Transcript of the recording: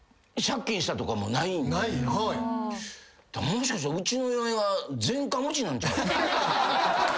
もしかしてうちの嫁が前科持ちなんちゃうかな？